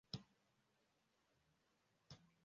itsinda ryabakobwa bo mumakipe amwe ya siporo bifatanya